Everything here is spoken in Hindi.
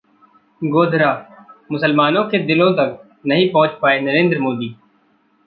गोधरा: मुसलमानों के दिलों तक नहीं पहुंच पाए नरेंद्र मोदी